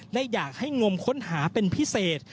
และอยากให้งมค้นหาเป็นพิเศษ